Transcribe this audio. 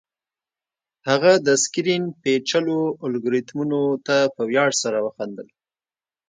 هغه د سکرین پیچلو الګوریتمونو ته په ویاړ سره وخندل